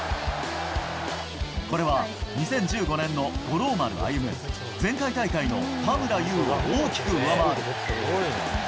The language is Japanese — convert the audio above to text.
これは２０１５年の五郎丸歩、前回大会の田村優を大きく上回る。